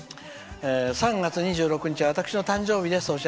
「３月２６日、私の誕生日です。